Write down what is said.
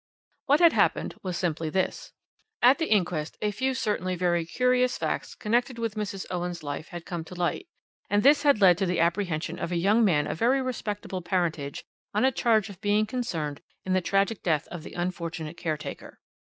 "What had happened was simply this: "At the inquest a few certainly very curious facts connected with Mrs. Owen's life had come to light, and this had led to the apprehension of a young man of very respectable parentage on a charge of being concerned in the tragic death of the unfortunate caretaker.